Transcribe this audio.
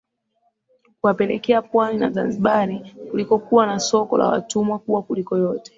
kuwapeleka pwani na Zanzibar kulikokuwa na soko la watumwa kubwa kuliko yote